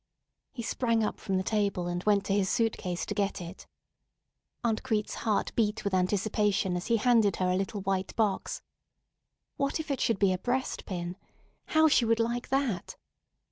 He sprang up from the table, and went to his suitcase to get it. Aunt Crete's heart beat with anticipation as he handed her a little white box. What if it should be a breastpin? How she would like that!